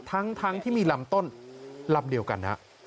ทั้งที่มีลำต้นลำเดียวกัน